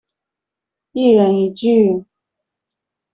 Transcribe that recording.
一人一句